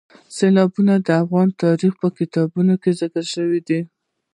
سیلابونه د افغان تاریخ په کتابونو کې ذکر شوی دي.